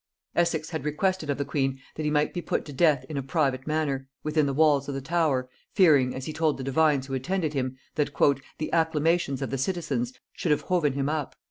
Essex had requested of the queen that he might be put to death in a private manner within the walls of the Tower, fearing, as he told the divines who attended him, that "the acclamations of the citizens should have hoven him up."